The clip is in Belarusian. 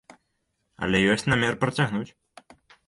Але ёсць намер працягнуць.